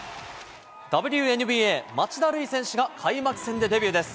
ＷＮＢＡ、町田瑠唯選手が開幕戦でデビューです。